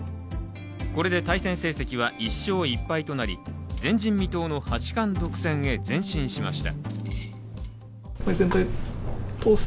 これで対戦成績は１勝１敗となり前人未到の八冠独占へ前進しました。